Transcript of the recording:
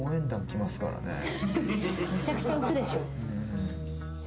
めちゃくちゃ浮くでしょ。